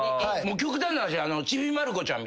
極端な話ちびまる子ちゃんみたいな。